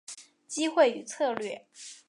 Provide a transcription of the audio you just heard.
机会与策略